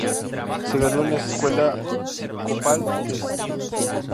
Se graduó en la Escuela Episcopal de St.